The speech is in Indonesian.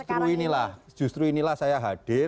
justru inilah justru inilah saya hadir